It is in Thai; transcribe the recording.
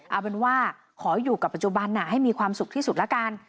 เอาเป็นว่าขออยู่กับปัจจุบันให้มีความสุขที่สุดละกัน